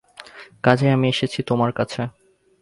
কাজেই আমি এসেছি তোমার কাছে!